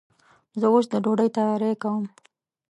زه اوس د ډوډۍ تیاری کوم.